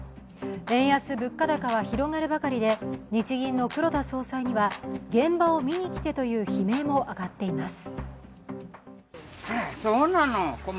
円安、物価高は広がるばかりで日銀の黒田総裁には現場を見に来てという悲鳴も上がっています。